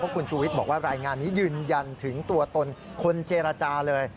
คุณชูวิทย์บอกว่ารายงานนี้ยืนยันถึงตัวตนคนเจรจาเลย